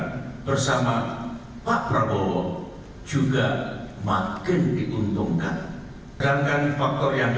survei saat ini membuktikan bahwa partai politik yang punya capres sangat diuntungkan dibandingkan partai kecil mengusung capres sendiri